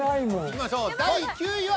いきましょう第９位は。